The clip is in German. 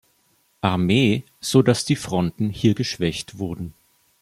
Armee, sodass die Fronten hier geschwächt wurden.